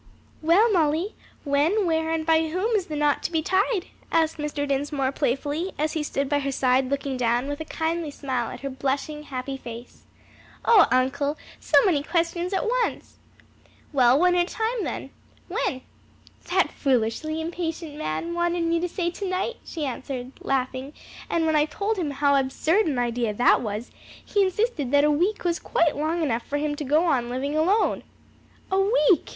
"Well, Molly, when, where, and by whom is the knot to be tied?" asked Mr. Dinsmore playfully, as he stood by her side looking down with a kindly smile at her blushing, happy face. "O uncle, so many questions at once!" "Well, one at a time then: When?" "That foolishly impatient man wanted me to say to night," she answered, laughing, "and when I told him how absurd an idea that was, he insisted that a week was quite long enough for him to go on living alone." "A week!"